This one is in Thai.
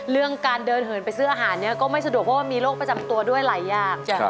เรื่องการเดินเหินไปซื้ออาหารเนี่ยก็ไม่สะดวกเพราะว่ามีโรคประจำตัวด้วยหลายอย่าง